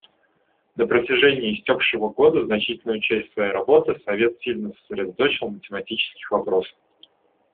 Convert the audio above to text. На протяжении истекшего года значительную часть своей работы Совет сильно сосредоточил на тематических вопросах.